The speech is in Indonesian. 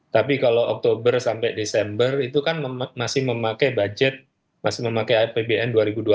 tapi kalau oktober sampai desember itu kan masih memakai budget masih memakai apbn dua ribu dua puluh